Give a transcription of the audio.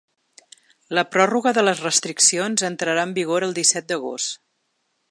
La pròrroga de les restriccions entrarà en vigor el disset d’agost.